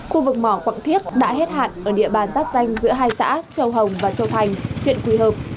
khu vực mỏ quạng thiết đã hết hạn ở địa bàn giáp danh giữa hai xã châu hồng và châu thành huyện quỳ hợp